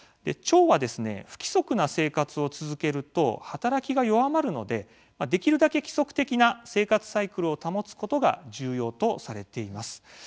腸は不規則な生活を続けると働きが弱まるので、できるだけ規則的な生活サイクルを保つことが重要とされています。